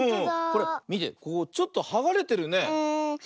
これみてここちょっとはがれてるね。